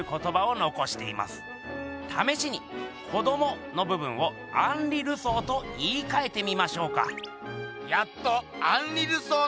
ためしに「子ども」の部分をアンリ・ルソーと言いかえてみましょうか？